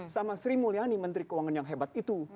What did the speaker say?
sama sri mulyani menteri keuangan yang hebat itu